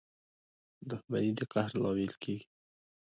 • دښمني د قهر لامل کېږي.